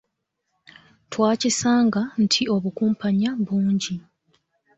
Twakisanga nti obukumpanya bungi.